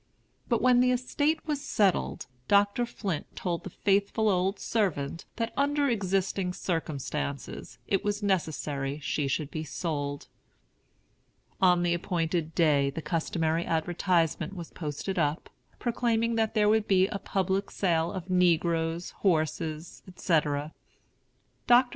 But when the estate was settled, Dr. Flint told the faithful old servant that, under existing circumstances, it was necessary she should be sold. On the appointed day the customary advertisement was posted up, proclaiming that there would be "a public sale of negroes, horses, &c." Dr.